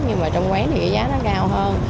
nhưng mà trong quán thì giá nó cao hơn